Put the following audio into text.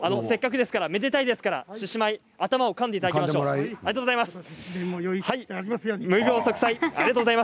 せっかくですからめでたいです獅子舞、頭をかんでいただきましょう。